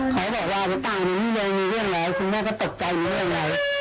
คอยบอกว่านาตาคมมีนายมีเรื่องร้อยคุณแม่ก็ตกใจมีเรื่องร้อย